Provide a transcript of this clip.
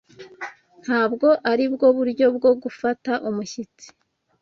Ntabwo aribwo buryo bwo gufata umushyitsi.